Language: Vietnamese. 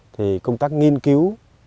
thì công tác nghiên cứu